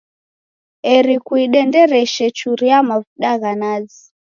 Eri kuidendereshe churia mavuda gha nazi.